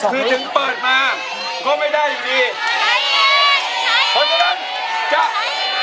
คือถึงเปิดมาก็ไม่ได้อย่างนี้